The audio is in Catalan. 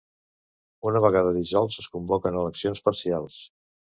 Una vegada dissolts, es convoquen eleccions parcials.